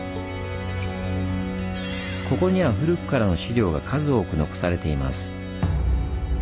ここには古くからの資料が数多く残されています。